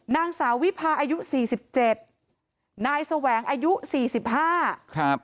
นางสาววิพาอายุสี่สิบเจ็ดนายแสวงอายุสี่สิบห้าครับ